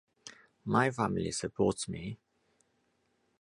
My family supports me.